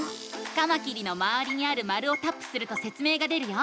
カマキリのまわりにある丸をタップするとせつ明が出るよ。